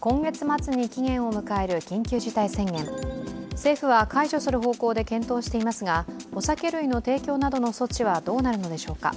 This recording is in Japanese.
政府は解除する方向で検討していますがお酒類の提供などの措置はどうなるのでしょうか。